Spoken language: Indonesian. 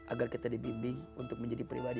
agar kita dibimbing untuk menjadi pribadi